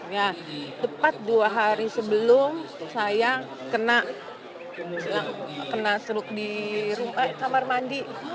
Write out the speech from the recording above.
ya tepat dua hari sebelum saya kena struk di kamar mandi